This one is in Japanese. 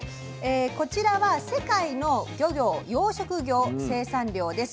こちらは世界の漁業・養殖業生産量です。